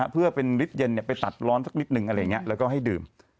เพื่อเป็นลิตรเย็นไปตัดร้อนสักนิดนึงอะไรอย่างนี้แล้วก็ให้ดื่ม